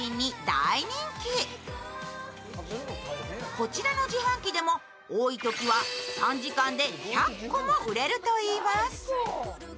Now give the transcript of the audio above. こちらの自販機でも、多いときは３時間で１００個も売れるといいます。